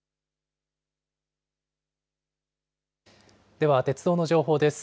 では、鉄道の情報です。